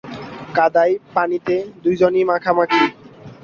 কাদায় পানিতে দু জনই মাখামাখি।